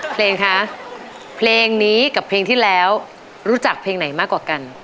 เพลงคะเพลงนี้กับเพลงที่แล้วรู้จักเพลงไหนมากกว่ากัน